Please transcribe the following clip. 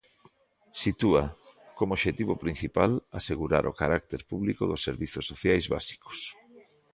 Sitúa, como obxectivo principal, asegurar o carácter público dos servizos sociais básicos.